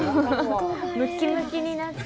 ムッキムキになって。